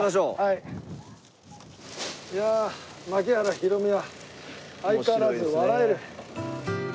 いやあ槙原寛己は相変わらず笑える。